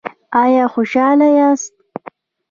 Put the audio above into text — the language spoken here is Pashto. ایا خوشحاله یاست؟